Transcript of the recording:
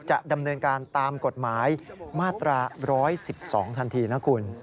จะดำเนินการตามกฎหมายมาตรา๑๑๒ทันทีนะคุณ